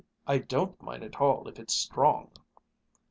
I don't mind at all if it's strong."